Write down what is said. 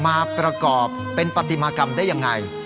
มาประกอบเป็นปฏิมากรรมได้ยังไง